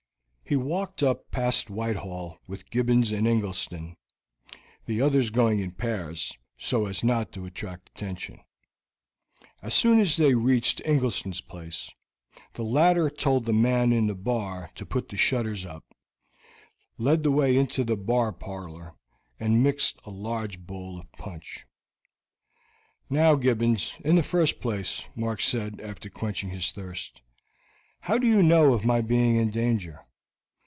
He walked up past Whitehall with Gibbons and Ingleston, the others going in pairs, so as not to attract attention. As soon as they reached Ingleston's place, the latter told the man in the bar to put the shutters up, led the way into the bar parlor, and mixed a large bowl of punch. "Now, Gibbons, in the first place," Mark said, after quenching his thirst, "how did you know of my being in danger?"